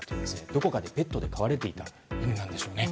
どこかでペットで飼われていた犬なんでしょうね。